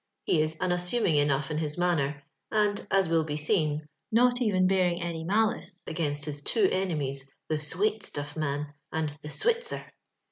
He is unas suming enough in his manner, and, as will be seen, not even bearing any malice against his two enemies, '* The Swatestuff Man" and " The Switzer."